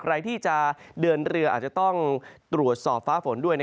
ใครที่จะเดินเรืออาจจะต้องตรวจสอบฟ้าฝนด้วย